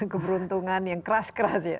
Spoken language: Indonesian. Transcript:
keberuntungan yang keras keras ya